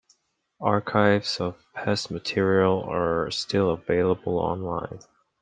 Archives of past material are still available online.